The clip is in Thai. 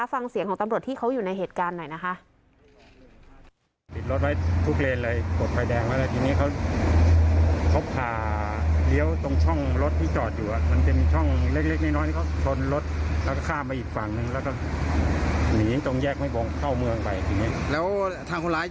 ฟังเสียงของตำรวจที่เขาอยู่ในเหตุการณ์หน่อยนะคะ